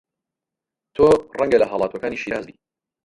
تۆ ڕەنگە لە هەڵاتووەکانی شیراز بی